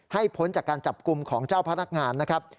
พ้นจากการจับกลุ่มของเจ้าพนักงานนะครับ